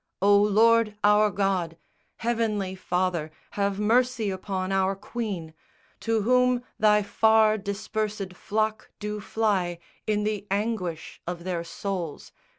_O Lord, our God, Heavenly Father, have mercy upon our Queen, To whom Thy far dispersed flock do fly In the anguish of their souls.